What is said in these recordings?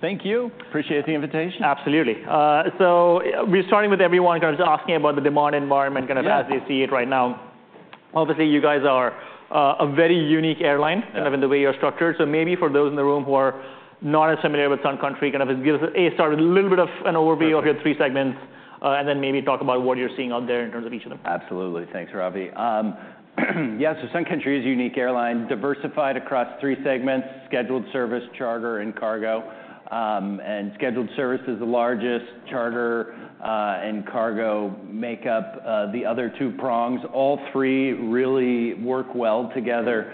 Thank you. Appreciate the invitation. Absolutely. So we're starting with everyone in terms of asking about the demand environment- Yeah Kind of as you see it right now. Obviously, you guys are a very unique airline. Yeah Kind of in the way you're structured. So maybe for those in the room who are not as familiar with Sun Country, kind of give us a start with a little bit of an overview of your three segments, and then maybe talk about what you're seeing out there in terms of each of them. Absolutely. Thanks, Ravi. Yeah, so Sun Country is a unique airline, diversified across three segments: scheduled service, charter, and cargo. And scheduled service is the largest. Charter and cargo make up the other two prongs. All three really work well together,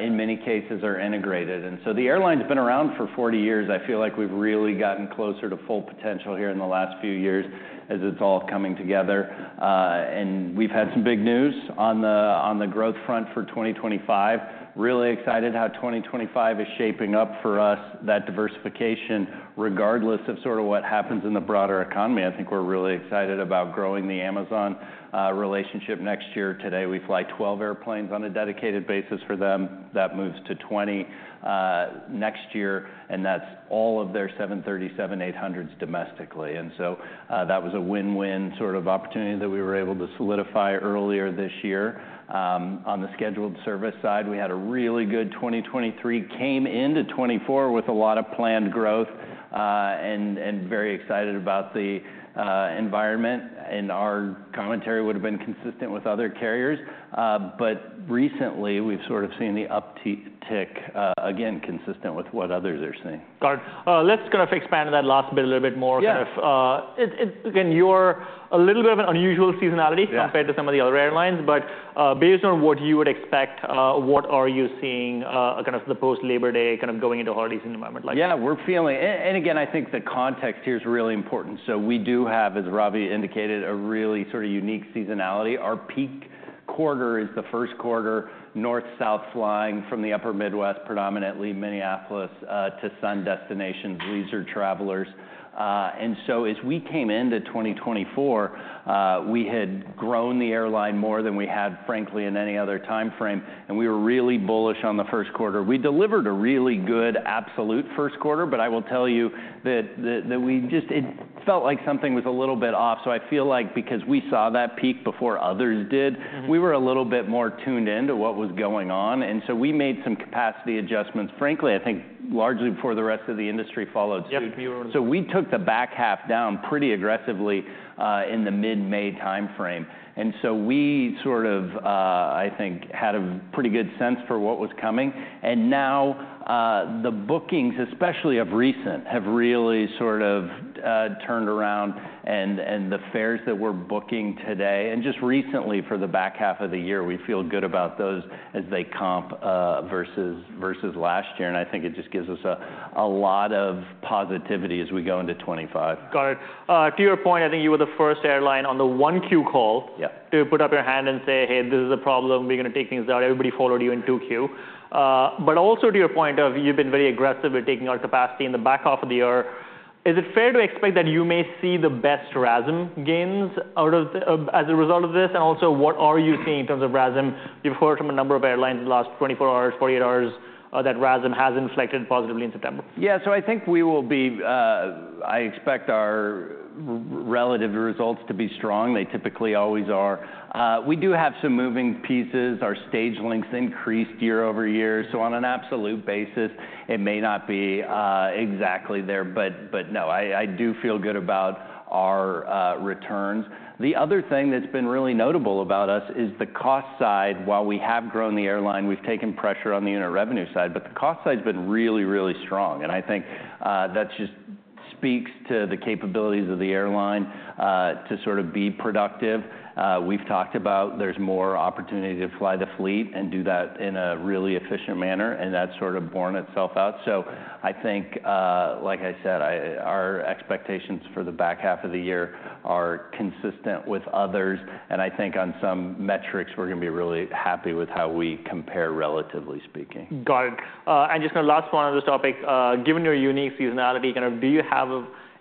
in many cases are integrated. And so the airline's been around for 40 years. I feel like we've really gotten closer to full potential here in the last few years as it's all coming together. And we've had some big news on the growth front for 2025. Really excited how 2025 is shaping up for us, that diversification, regardless of sort of what happens in the broader economy. I think we're really excited about growing the Amazon relationship next year. Today, we fly 12 airplanes on a dedicated basis for them. That moves to twenty next year, and that's all of their 737-800s domestically. And so, that was a win-win sort of opportunity that we were able to solidify earlier this year. On the scheduled service side, we had a really good 2023, came into 2024 with a lot of planned growth, and very excited about the environment, and our commentary would have been consistent with other carriers. But recently, we've sort of seen the uptick, again, consistent with what others are seeing. Got it. Let's kind of expand on that last bit a little bit more. Yeah. Kind of, it—again, you're a little bit of an unusual seasonality- Yeah Compared to some of the other airlines, but based on what you would expect, what are you seeing kind of the post-Labor Day, kind of going into holiday season environment like? Yeah, we're feeling... and again, I think the context here is really important. So we do have, as Ravi indicated, a really sort of unique seasonality. Our peak quarter is the first quarter, north-south flying from the upper Midwest, predominantly Minneapolis, to sun destinations, leisure travelers. And so as we came into 2024, we had grown the airline more than we had, frankly, in any other timeframe, and we were really bullish on the first quarter. We delivered a really good absolute first quarter, but I will tell you that we just-- it felt like something was a little bit off. So I feel like because we saw that peak before others did- Mm-hmm... we were a little bit more tuned in to what was going on, and so we made some capacity adjustments, frankly, I think largely before the rest of the industry followed suit. Yeah. So we took the back half down pretty aggressively in the mid-May timeframe. And so we sort of I think had a pretty good sense for what was coming. And now the bookings especially recent have really sort of turned around, and the fares that we're booking today and just recently for the back half of the year, we feel good about those as they comp versus last year. And I think it just gives us a lot of positivity as we go into 2025. Got it. To your point, I think you were the first airline on the 1Q call- Yeah... to put up your hand and say, "Hey, this is a problem. We're gonna take things down." Everybody followed you in 2Q. But also to your point of you've been very aggressive with taking out capacity in the back half of the year, is it fair to expect that you may see the best RASM gains out of- as a result of this? And also, what are you seeing in terms of RASM? You've heard from a number of airlines in the last 24 hours, 48 hours, that RASM has inflected positively in September. Yeah, so I think we will be. I expect our relative results to be strong. They typically always are. We do have some moving pieces. Our stage lengths increased year over year, so on an absolute basis, it may not be exactly there, but no, I do feel good about our returns. The other thing that's been really notable about us is the cost side. While we have grown the airline, we've taken pressure on the unit revenue side, but the cost side's been really, really strong, and I think that just speaks to the capabilities of the airline to sort of be productive. We've talked about there's more opportunity to fly the fleet and do that in a really efficient manner, and that's sort of borne itself out. So I think, like I said, our expectations for the back half of the year are consistent with others, and I think on some metrics, we're gonna be really happy with how we compare, relatively speaking. Got it. And just a last one on this topic. Given your unique seasonality, kind of, do you have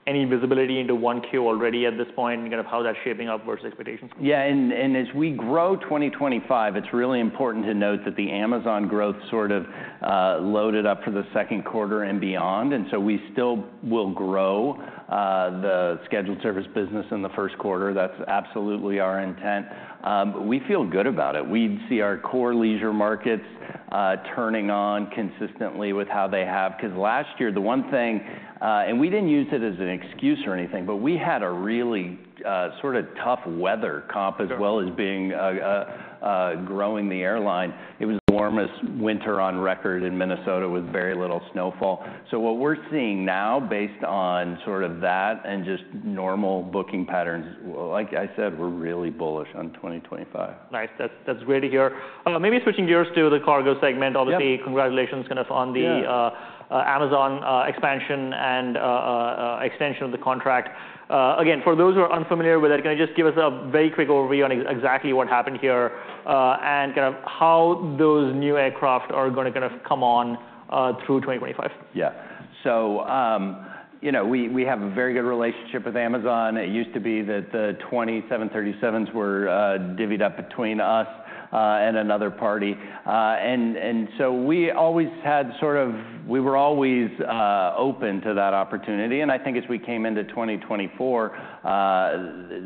any visibility into 1Q already at this point, and kind of how that's shaping up versus expectations? Yeah, and as we grow 2025, it's really important to note that the Amazon growth sort of loaded up for the second quarter and beyond, and so we still will grow the scheduled service business in the first quarter. That's absolutely our intent, but we feel good about it. We see our core leisure markets turning on consistently with how they have... 'Cause last year, the one thing, and we didn't use it as an excuse or anything, but we had a really sort of tough weather comp- Sure... as well as being growing the airline. It was the warmest winter on record in Minnesota with very little snowfall. So what we're seeing now, based on sort of that and just normal booking patterns, like I said, we're really bullish on twenty twenty-five. Nice. That's, that's great to hear. Maybe switching gears to the cargo segment. Yeah. Obviously, congratulations kind of on the- Yeah... Amazon expansion and extension of the contract. Again, for those who are unfamiliar with that, can you just give us a very quick overview on exactly what happened here, and kind of how those new aircraft are gonna kind of come on through 2025? Yeah. So, you know, we have a very good relationship with Amazon. It used to be that the 27 737s were divvied up between us and another party. And so we were always open to that opportunity, and I think as we came into 2024,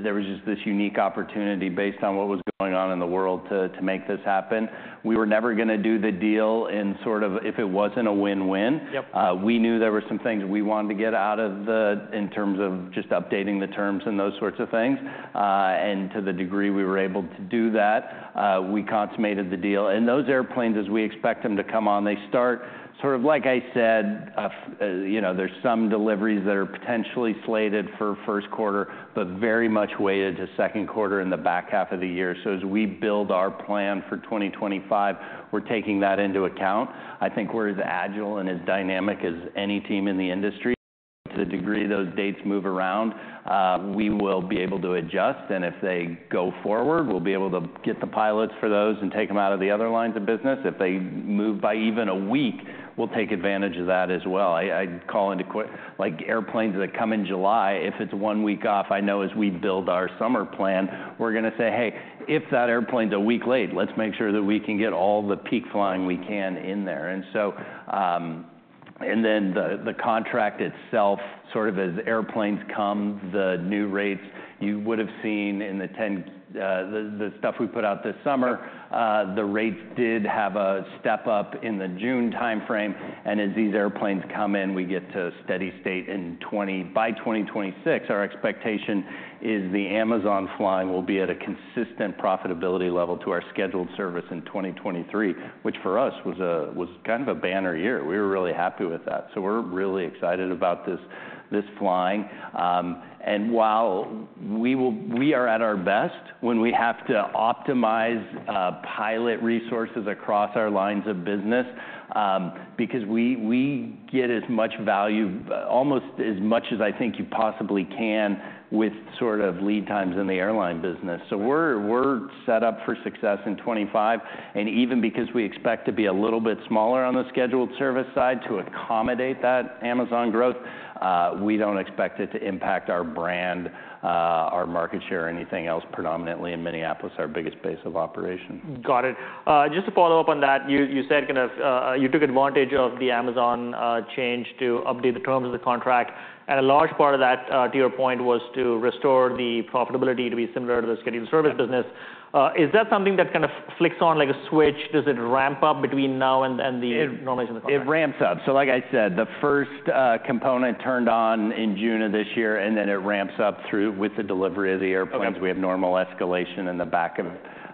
there was just this unique opportunity based on what was going on in the world to make this happen. We were never gonna do the deal if it wasn't a win-win. Yep. We knew there were some things we wanted to get out of in terms of just updating the terms and those sorts of things. And to the degree we were able to do that, we consummated the deal, and those airplanes, as we expect them to come on, they start sort of like I said, you know, there's some deliveries that are potentially slated for first quarter, but very much weighted to second quarter in the back half of the year, so as we build our plan for twenty twenty-five, we're taking that into account. I think we're as agile and as dynamic as any team in the industry. To the degree those dates move around, we will be able to adjust, and if they go forward, we'll be able to get the pilots for those and take them out of the other lines of business. If they move by even a week, we'll take advantage of that as well. Like airplanes that come in July, if it's one week off, I know as we build our summer plan, we're gonna say, "Hey, if that airplane's a week late, let's make sure that we can get all the peak flying we can in there." And so, and then the contract itself, sort of as airplanes come, the new rates, you would have seen in the ten-- the stuff we put out this summer. Yep. The rates did have a step up in the June timeframe, and as these airplanes come in, we get to steady state in twenty... By 2026, our expectation is the Amazon flying will be at a consistent profitability level to our scheduled service in 2023, which for us was a, was kind of a banner year. We were really happy with that. So we're really excited about this, this flying. And while we will-- we are at our best when we have to optimize pilot resources across our lines of business, because we, we get as much value, almost as much as I think you possibly can, with sort of lead times in the airline business. So we're set up for success in 2025, and even because we expect to be a little bit smaller on the scheduled service side to accommodate that Amazon growth, we don't expect it to impact our brand, our market share or anything else, predominantly in Minneapolis, our biggest base of operation. Got it. Just to follow up on that, you, you said, kind of, you took advantage of the Amazon change to update the terms of the contract, and a large part of that, to your point, was to restore the profitability to be similar to the scheduled service business. Yep. Is that something that kind of flicks on like a switch? Does it ramp up between now and the normalization of the contract? It ramps up. So like I said, the first component turned on in June of this year, and then it ramps up through with the delivery of the airplanes. Okay. We have normal escalation in the back of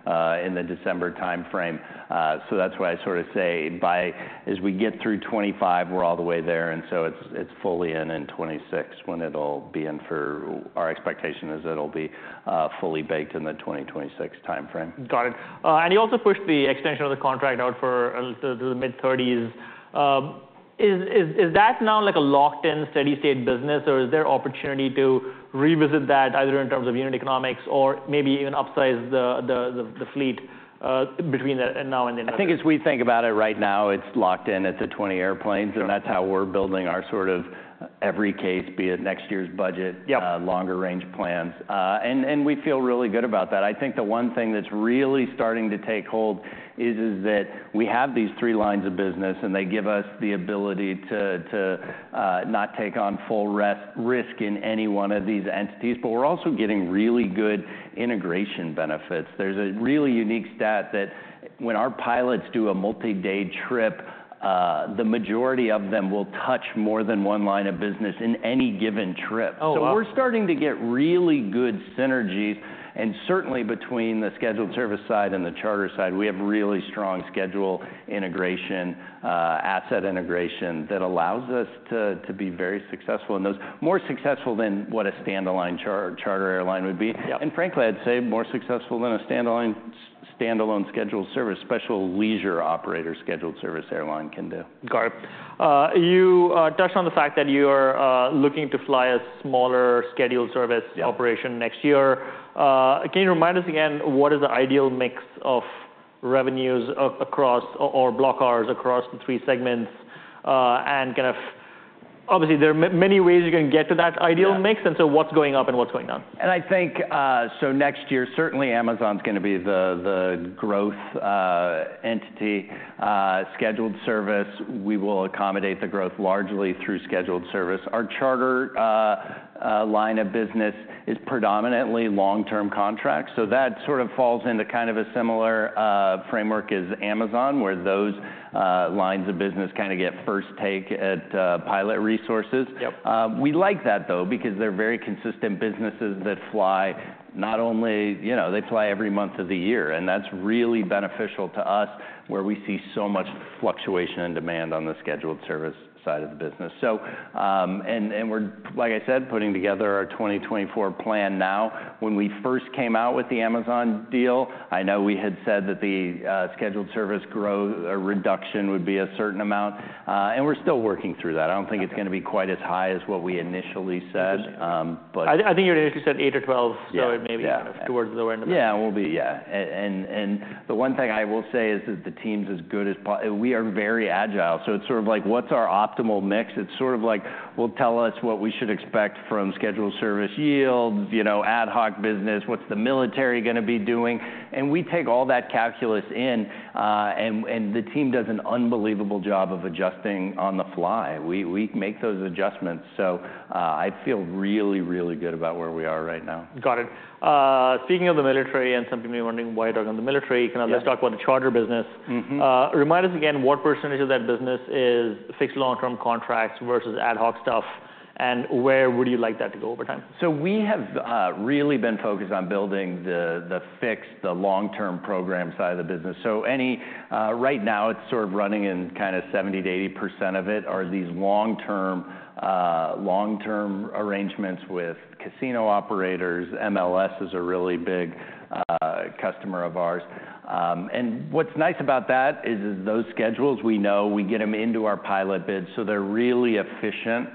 in the December timeframe. So that's why I sort of say by as we get through 2025, we're all the way there, and so it's fully in 2026 when it'll be in for. Our expectation is that it'll be fully baked in the 2026 timeframe. Got it. And you also pushed the extension of the contract out for until the mid-thirties. Is that now like a locked-in, steady state business, or is there opportunity to revisit that, either in terms of unit economics or maybe even upsize the fleet, between now and the end of the- I think as we think about it right now, it's locked in. It's at 20 airplanes- Got it. and that's how we're building our sort of every case, be it next year's budget. Yep... longer range plans, and we feel really good about that. I think the one thing that's really starting to take hold is that we have these three lines of business, and they give us the ability to not take on full risk in any one of these entities, but we're also getting really good integration benefits. There's a really unique stat that when our pilots do a multi-day trip, the majority of them will touch more than one line of business in any given trip. Oh, wow! So we're starting to get really good synergies, and certainly between the scheduled service side and the charter side, we have really strong schedule integration, asset integration, that allows us to be very successful in those. More successful than what a standalone charter airline would be. Yep. Frankly, I'd say more successful than a standalone scheduled service special leisure operator scheduled service airline can do. Got it. You touched on the fact that you are looking to fly a smaller scheduled service- Yep -operation next year. Can you remind us again, what is the ideal mix of revenues across or block hours across the three segments? And kind of... Obviously, there are many ways you can get to that ideal mix- Yeah And so what's going up and what's going down? And I think, so next year, certainly Amazon's gonna be the growth entity. Scheduled service, we will accommodate the growth largely through scheduled service. Our charter line of business is predominantly long-term contracts, so that sort of falls into kind of a similar framework as Amazon, where those lines of business kind of get first take at pilot resources. Yep. We like that, though, because they're very consistent businesses that fly not only... You know, they fly every month of the year, and that's really beneficial to us, where we see so much fluctuation and demand on the scheduled service side of the business. So, and we're, like I said, putting together our 2024 plan now. When we first came out with the Amazon deal, I know we had said that the scheduled service growth or reduction would be a certain amount, and we're still working through that. Okay. I don't think it's gonna be quite as high as what we initially said, but- I think you initially said eight or 12. Yeah, yeah. So it may be kind of towards the lower end of that. Yeah. And the one thing I will say is that the team's as good as possible. We are very agile, so it's sort of like, what's our optimal mix? It's sort of like, well, tell us what we should expect from scheduled service yields, you know, ad hoc business, what's the military gonna be doing? And we take all that calculus in, and the team does an unbelievable job of adjusting on the fly. We make those adjustments, so I feel really, really good about where we are right now. Got it. Speaking of the military, and some people may be wondering why I talk about the military- Yeah... kind of, let's talk about the charter business. Mm-hmm. Remind us again, what percentage of that business is fixed long-term contracts versus ad hoc stuff, and where would you like that to go over time? So we have really been focused on building the fixed, long-term program side of the business. Right now, it's sort of running in kind of 70%-80% of it are these long-term arrangements with casino operators. MLS is a really big customer of ours. And what's nice about that is that those schedules, we know, we get them into our pilot bids, so they're really efficient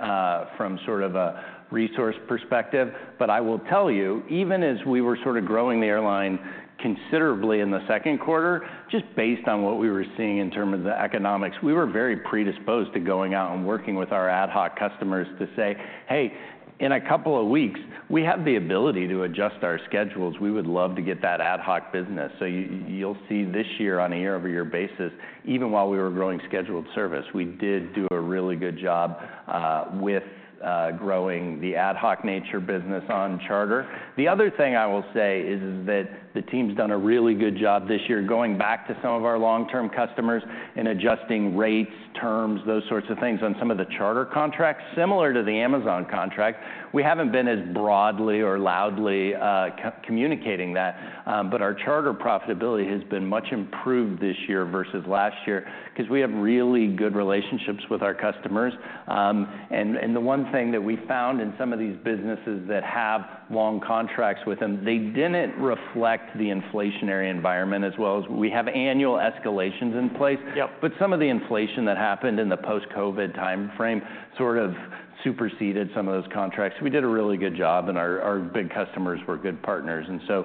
from sort of a resource perspective. But I will tell you, even as we were sort of growing the airline considerably in the second quarter, just based on what we were seeing in terms of the economics, we were very predisposed to going out and working with our ad hoc customers to say, "Hey, in a couple of weeks, we have the ability to adjust our schedules. We would love to get that ad hoc business. So you'll see this year on a year-over-year basis, even while we were growing scheduled service, we did do a really good job with growing the ad hoc nature business on charter. The other thing I will say is that the team's done a really good job this year, going back to some of our long-term customers and adjusting rates, terms, those sorts of things, on some of the charter contracts. Similar to the Amazon contract, we haven't been as broadly or loudly communicating that, but our charter profitability has been much improved this year versus last year because we have really good relationships with our customers. And the one thing that we found in some of these businesses that have long contracts with them, they didn't reflect the inflationary environment as well as... We have annual escalations in place- Yep. But some of the inflation that happened in the post-COVID timeframe sort of superseded some of those contracts. We did a really good job, and our big customers were good partners, and so,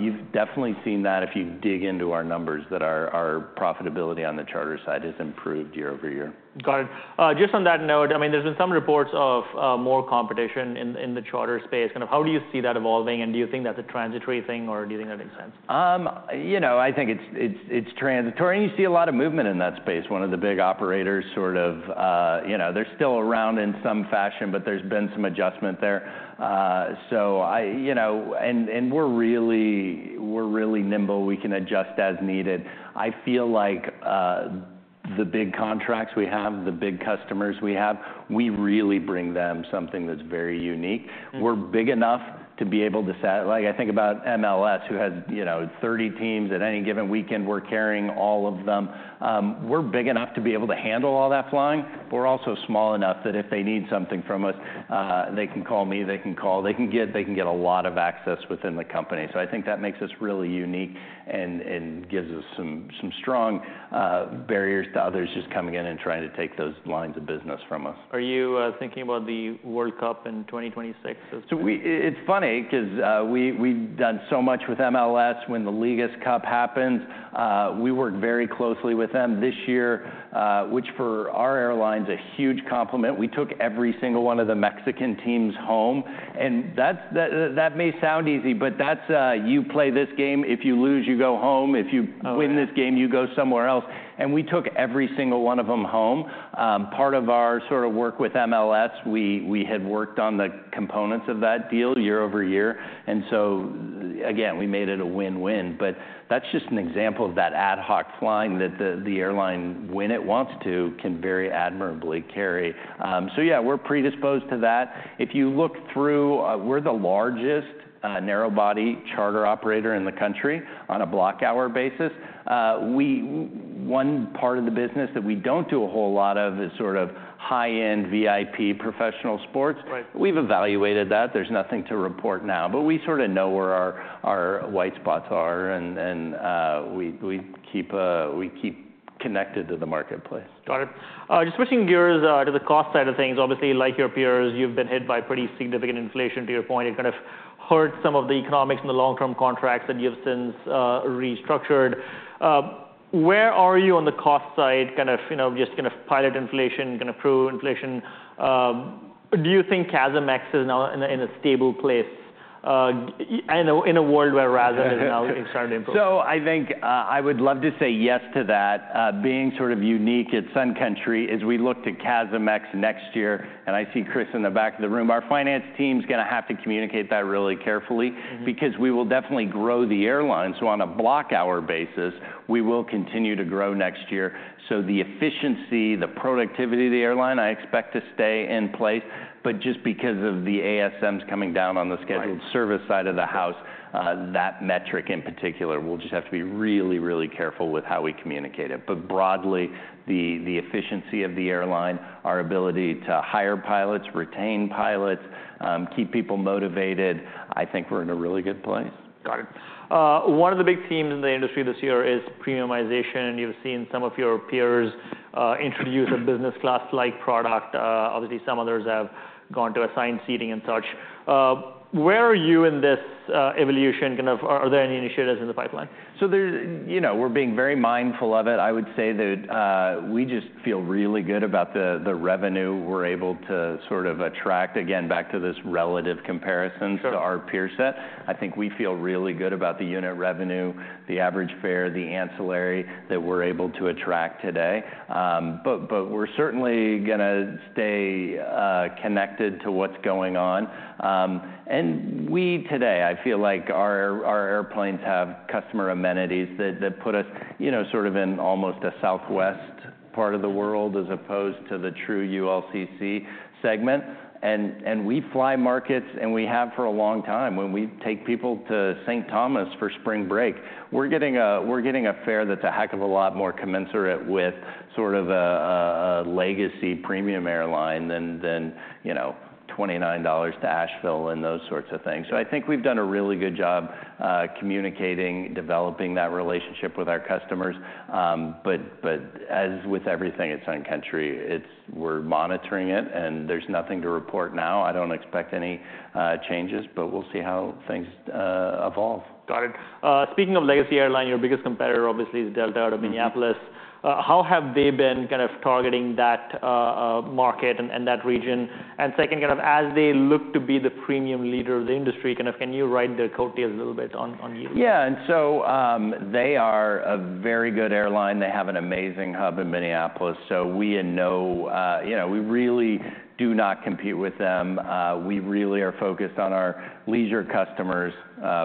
you've definitely seen that if you dig into our numbers, that our profitability on the charter side has improved year over year. Got it. Just on that note, I mean, there's been some reports of more competition in the charter space. Kind of how do you see that evolving, and do you think that's a transitory thing, or do you think that makes sense? You know, I think it's transitory, and you see a lot of movement in that space. One of the big operators sort of, you know, they're still around in some fashion, but there's been some adjustment there, and we're really nimble. We can adjust as needed. I feel like the big contracts we have, the big customers we have, we really bring them something that's very unique. Mm. We're big enough to be able to. Like, I think about MLS, who has, you know, thirty teams at any given weekend, we're carrying all of them. We're big enough to be able to handle all that flying, but we're also small enough that if they need something from us, they can call me, they can get a lot of access within the company. So I think that makes us really unique and gives us some strong barriers to others just coming in and trying to take those lines of business from us. Are you thinking about the World Cup in 2026 as well? So it's funny because we've done so much with MLS. When the Leagues Cup happens, we work very closely with them. This year, which for our airline's a huge compliment, we took every single one of the Mexican teams home, and that may sound easy, but you play this game, if you lose, you go home. If you- Oh, yeah... win this game, you go somewhere else, and we took every single one of them home. Part of our sort of work with MLS, we had worked on the components of that deal year over year, and so again, we made it a win-win. But that's just an example of that ad hoc flying that the airline, when it wants to, can very admirably carry. So yeah, we're predisposed to that. If you look through, we're the largest narrow-body charter operator in the country on a block hour basis. One part of the business that we don't do a whole lot of is sort of high-end VIP professional sports. Right. We've evaluated that. There's nothing to report now, but we sort of know where our white spots are, and we keep connected to the marketplace. Got it. Just switching gears to the cost side of things. Obviously, like your peers, you've been hit by pretty significant inflation. To your point, it kind of hurt some of the economics in the long-term contracts that you've since restructured. Where are you on the cost side? Kind of, you know, just kind of pilot inflation, kind of crew inflation. Do you think CASM-ex is now in a stable place in a world where RASM is now starting to improve? So I think, I would love to say yes to that. Being sort of unique at Sun Country, as we look to CASM-ex next year, and I see Chris in the back of the room, our finance team's gonna have to communicate that really carefully. Mm. Because we will definitely grow the airline. So on a block hour basis, we will continue to grow next year. So the efficiency, the productivity of the airline, I expect to stay in place. But just because of the ASMs coming down on the- Right... scheduled service side of the house, that metric in particular, we'll just have to be really, really careful with how we communicate it. But broadly, the efficiency of the airline, our ability to hire pilots, retain pilots, keep people motivated, I think we're in a really good place. Got it. One of the big themes in the industry this year is premiumization, and you've seen some of your peers, introduce a business class-like product. Obviously, some others have gone to assigned seating and such. Where are you in this, evolution? Kind of are there any initiatives in the pipeline? So, you know, we're being very mindful of it. I would say that we just feel really good about the revenue we're able to sort of attract, again, back to this relative comparisons- Sure... to our peer set. I think we feel really good about the unit revenue, the average fare, the ancillary that we're able to attract today. But we're certainly gonna stay connected to what's going on. And we, today, I feel like our airplanes have customer amenities that put us, you know, sort of in almost a Southwest-... part of the world, as opposed to the true ULCC segment. And we fly markets, and we have for a long time. When we take people to St. Thomas for spring break, we're getting a fare that's a heck of a lot more commensurate with sort of a legacy premium airline than you know, $29 to Asheville and those sorts of things. So I think we've done a really good job, communicating, developing that relationship with our customers. But as with everything at Sun Country, it's. We're monitoring it, and there's nothing to report now. I don't expect any changes, but we'll see how things evolve. Got it. Speaking of legacy airline, your biggest competitor obviously is Delta out of Minneapolis. Mm-hmm. How have they been kind of targeting that market and that region? And second, kind of as they look to be the premium leader of the industry, kind of, can you ride their coattails a little bit on you? Yeah, and so, they are a very good airline. They have an amazing hub in Minneapolis, so we, you know, we really do not compete with them. We really are focused on our leisure customers,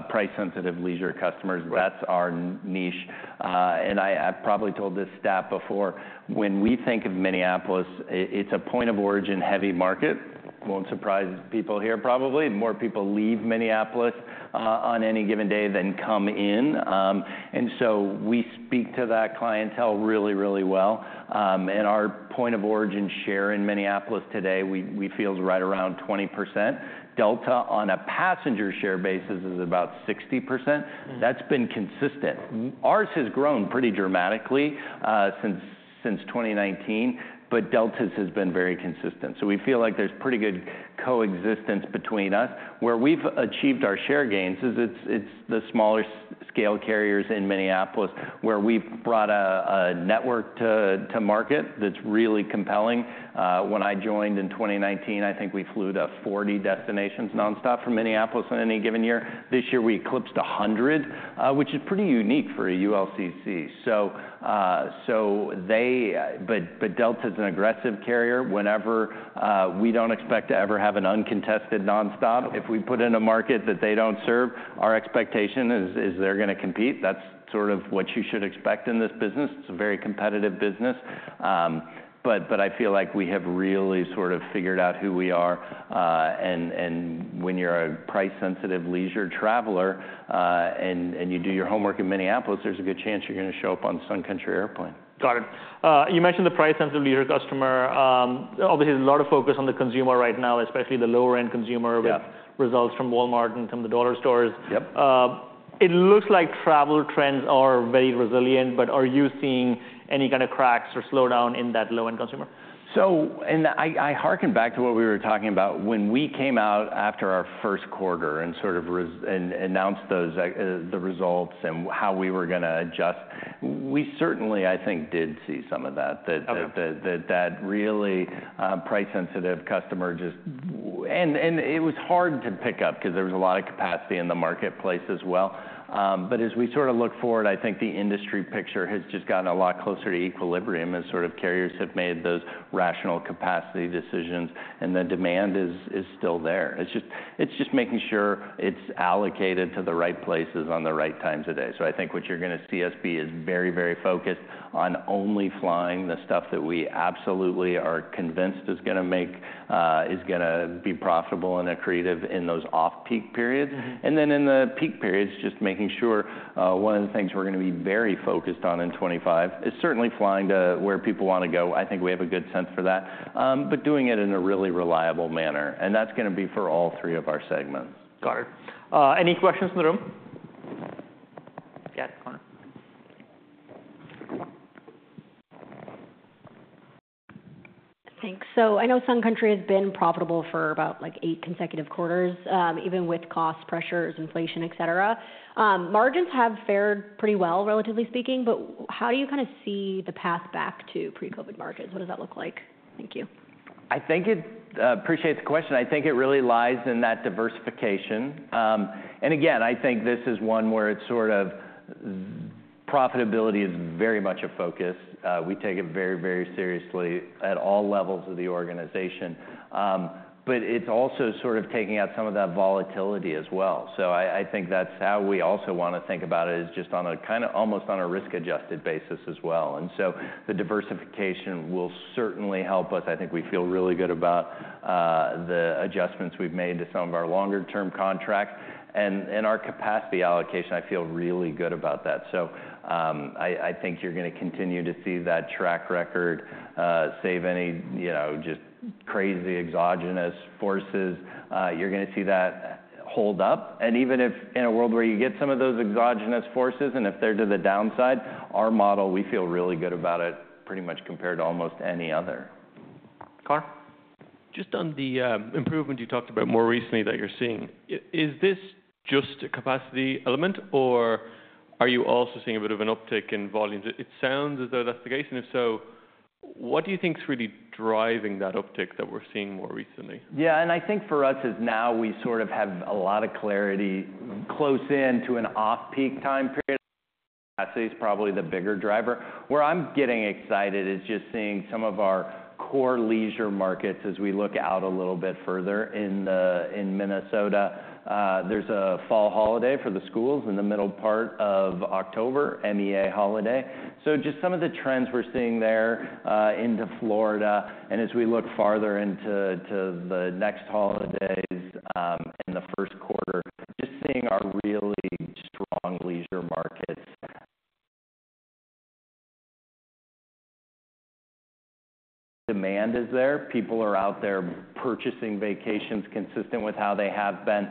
price-sensitive leisure customers. Right. That's our niche. And I've probably told this stat before, when we think of Minneapolis, it's a point-of-origin heavy market. Won't surprise people here probably. More people leave Minneapolis on any given day than come in. And so we speak to that clientele really, really well. And our point-of-origin share in Minneapolis today, we feel is right around 20%. Delta, on a passenger share basis, is about 60%. Mm. That's been consistent. Ours has grown pretty dramatically since 2019, but Delta's has been very consistent, so we feel like there's pretty good coexistence between us. Where we've achieved our share gains is it's the smaller scale carriers in Minneapolis, where we've brought a network to market that's really compelling. When I joined in 2019, I think we flew to 40 destinations nonstop from Minneapolis on any given year. This year, we eclipsed 100, which is pretty unique for a ULCC. So, but Delta's an aggressive carrier. We don't expect to ever have an uncontested nonstop. If we put in a market that they don't serve, our expectation is they're gonna compete. That's sort of what you should expect in this business. It's a very competitive business. But I feel like we have really sort of figured out who we are. And when you're a price-sensitive leisure traveler, and you do your homework in Minneapolis, there's a good chance you're gonna show up on Sun Country airplane. Got it. You mentioned the price-sensitive leisure customer. Obviously, there's a lot of focus on the consumer right now, especially the lower-end consumer- Yeah... with results from Walmart and from the dollar stores. Yep. It looks like travel trends are very resilient, but are you seeing any kind of cracks or slowdown in that low-end consumer? I harken back to what we were talking about when we came out after our first quarter and sort of announced those, the results and how we were gonna adjust. We certainly, I think, did see some of that. Okay. That really price-sensitive customer just... and it was hard to pick up because there was a lot of capacity in the marketplace as well, but as we sort of look forward, I think the industry picture has just gotten a lot closer to equilibrium as sort of carriers have made those rational capacity decisions, and the demand is still there. It's just making sure it's allocated to the right places on the right times of day, so I think what you're gonna see us be is very, very focused on only flying the stuff that we absolutely are convinced is gonna be profitable and accretive in those off-peak periods. Mm-hmm. And then, in the peak periods, just making sure, one of the things we're gonna be very focused on in 2025 is certainly flying to where people wanna go. I think we have a good sense for that, but doing it in a really reliable manner, and that's gonna be for all three of our segments. Got it. Any questions in the room? Yeah, Connor. Thanks. So I know Sun Country has been profitable for about, like, eight consecutive quarters, even with cost pressures, inflation, et cetera. Margins have fared pretty well, relatively speaking, but how do you kind of see the path back to pre-COVID margins? What does that look like? Thank you. I appreciate the question. I think it really lies in that diversification. Again, I think this is one where it's sort of the profitability is very much a focus. We take it very, very seriously at all levels of the organization. But it's also sort of taking out some of that volatility as well. So I think that's how we also wanna think about it, is just on a kind of almost on a risk-adjusted basis as well. The diversification will certainly help us. I think we feel really good about the adjustments we've made to some of our longer-term contracts. Our capacity allocation, I feel really good about that. I think you're gonna continue to see that track record, save any, you know, just crazy exogenous forces. You're gonna see that hold up. And even if in a world where you get some of those exogenous forces, and if they're to the downside, our model, we feel really good about it, pretty much compared to almost any other. Connor? Just on the improvement you talked about more recently that you're seeing, is this just a capacity element, or are you also seeing a bit of an uptick in volumes? It sounds as though that's the case, and if so, what do you think is really driving that uptick that we're seeing more recently? Yeah, and I think for us is now we sort of have a lot of clarity close in to an off-peak time period, capacity is probably the bigger driver. Where I'm getting excited is just seeing some of our core leisure markets as we look out a little bit further in Minnesota. There's a fall holiday for the schools in the middle part of October, MEA holiday. So just some of the trends we're seeing there into Florida, and as we look farther into the next holidays in the first quarter, just seeing our really strong leisure markets. Demand is there. People are out there purchasing vacations consistent with how they have been.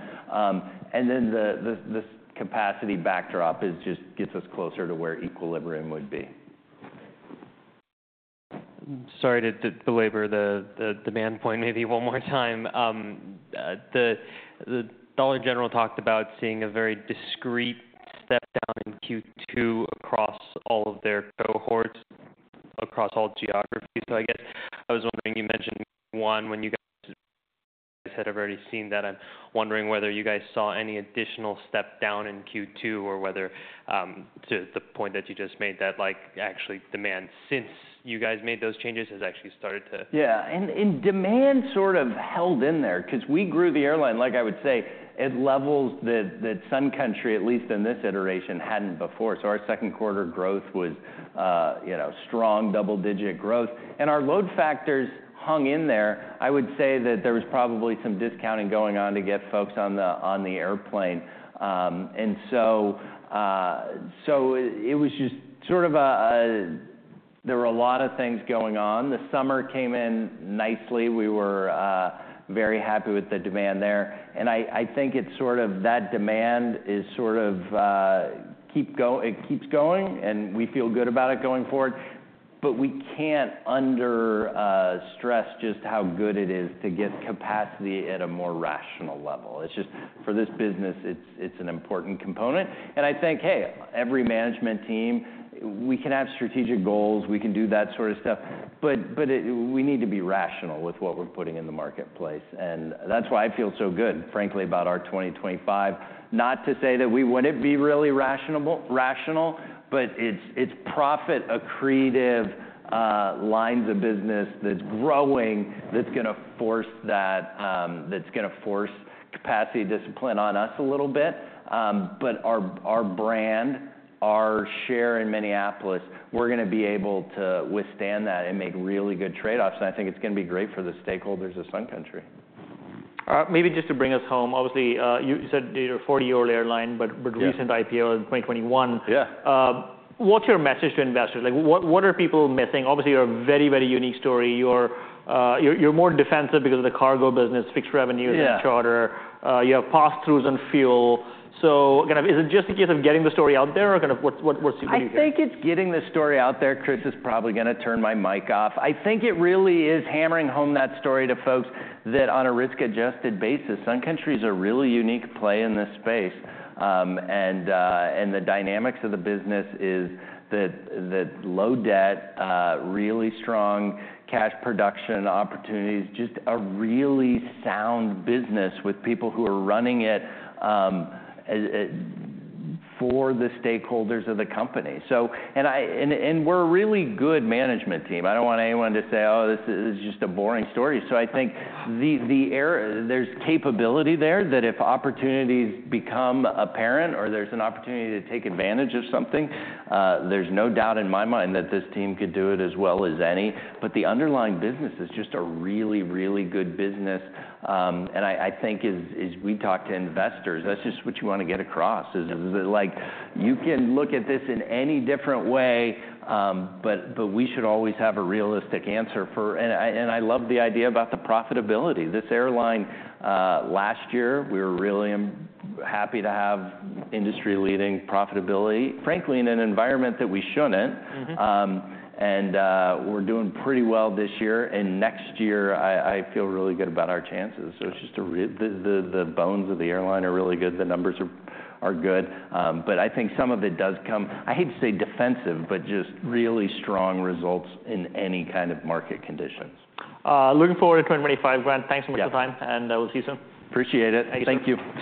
And then this capacity backdrop is just gets us closer to where equilibrium would be. Sorry to belabor the demand point maybe one more time. Dollar General talked about seeing a very discrete step down in Q2 across all of their cohorts, across all geographies. So I guess I was wondering, you mentioned one when you guys said, have already seen that. I'm wondering whether you guys saw any additional step down in Q2 or whether, to the point that you just made, that, like, actually demand since you guys made those changes, has actually started to- Yeah, and demand sort of held in there 'cause we grew the airline, like I would say, at levels that Sun Country, at least in this iteration, hadn't before. So our second quarter growth was, you know, strong double-digit growth, and our load factors hung in there. I would say that there was probably some discounting going on to get folks on the airplane. And so it was just sort of a... There were a lot of things going on. The summer came in nicely. We were very happy with the demand there, and I think it's sort of that demand is sort of it keeps going, and we feel good about it going forward. But we can't underscore just how good it is to get capacity at a more rational level. It's just, for this business, it's an important component, and I think, hey, every management team, we can have strategic goals, we can do that sort of stuff, but we need to be rational with what we're putting in the marketplace, and that's why I feel so good, frankly, about our 2025. Not to say that we wouldn't be really rational, but it's profit accretive lines of business that's growing, that's gonna force capacity discipline on us a little bit. But our brand, our share in Minneapolis, we're gonna be able to withstand that and make really good trade-offs, and I think it's gonna be great for the stakeholders of Sun Country. Maybe just to bring us home, obviously, you said you're a forty-year-old airline, but- Yeah... but recent IPO in 2021. Yeah. What's your message to investors? Like, what are people missing? Obviously, you're a very, very unique story. You're more defensive because of the cargo business, fixed revenue- Yeah... charter, you have pass-throughs on fuel. So kind of, is it just a case of getting the story out there or kind of what's - I think it's getting the story out there. Chris is probably gonna turn my mic off. I think it really is hammering home that story to folks that on a risk-adjusted basis, Sun Country is a really unique play in this space, and the dynamics of the business is that, that low debt, really strong cash production opportunities, just a really sound business with people who are running it, as for the stakeholders of the company, and we're a really good management team. I don't want anyone to say, "Oh, this is just a boring story," so I think there's capability there, that if opportunities become apparent or there's an opportunity to take advantage of something, there's no doubt in my mind that this team could do it as well as any. But the underlying business is just a really, really good business. I think as we talk to investors, that's just what you want to get across, is like, you can look at this in any different way, but we should always have a realistic answer for... I love the idea about the profitability. This airline, last year, we were really happy to have industry-leading profitability, frankly, in an environment that we shouldn't. Mm-hmm. We're doing pretty well this year, and next year, I feel really good about our chances. So it's just the bones of the airline are really good. The numbers are good. But I think some of it does come. I hate to say defensive, but just really strong results in any kind of market conditions. Looking forward to 2025, Grant. Yeah. Thanks so much for your time, and we'll see you soon. Appreciate it. Thank you. Thank you.